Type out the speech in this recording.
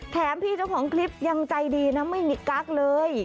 แถมพี่เจ้าของคลิปยังใจดีนะไม่มีกั๊กเลย